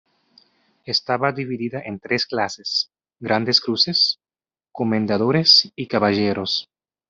Estaba dividida en tres clases: grandes cruces, comendadores y caballeros.